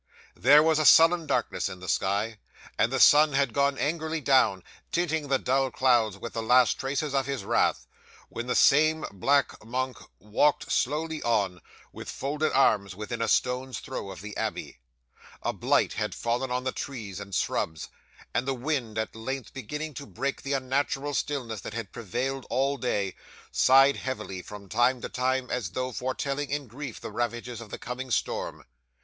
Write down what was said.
'There was a sullen darkness in the sky, and the sun had gone angrily down, tinting the dull clouds with the last traces of his wrath, when the same black monk walked slowly on, with folded arms, within a stone's throw of the abbey. A blight had fallen on the trees and shrubs; and the wind, at length beginning to break the unnatural stillness that had prevailed all day, sighed heavily from time to time, as though foretelling in grief the ravages of the coming storm.